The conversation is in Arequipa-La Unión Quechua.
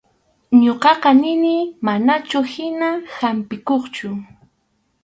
Ñuqaqa nini manachu hina hampiqkuchu.